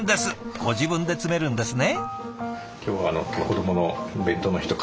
ご自分で詰めるんですね。